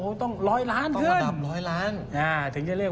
โอ้โหต้องร้อยล้านขึ้นต้องระดับร้อยล้านอ่าถึงจะเรียก